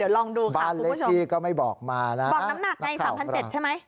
เดี๋ยวลองดูค่ะคุณผู้ชมบาลเล็กที่ก็ไม่บอกมานะนักข่าวครับบอกน้ำหนักไง๓๗๐๐ใช่ไหม